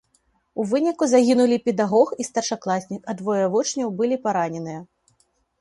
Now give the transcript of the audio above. У выніку загінулі педагог і старшакласнік, а двое вучняў былі параненыя.